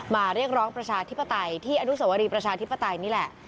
เรียกร้องประชาธิปไตยที่อนุสวรีประชาธิปไตยนี่แหละ